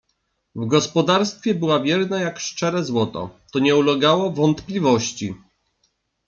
W gospodarstwie była wierna jak szczere złoto — to nie ulegało wątpliwości!